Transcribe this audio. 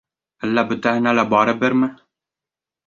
Әллә бөтәһенә лә барыберме?